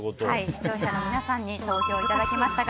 視聴者の皆さんに投票いただきました。